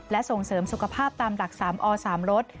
และส่งเสริมสุขภาพตามหลัก๓อ๓รส